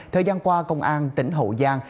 thời gian qua công an tỉnh hậu giang